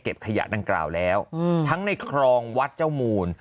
เก็บขยะนังกล่าวแล้วอืมทั้งในคลองวัดเจ้าหมูน